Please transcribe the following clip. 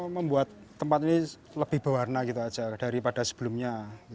membuat tempat ini lebih berwarna gitu aja daripada sebelumnya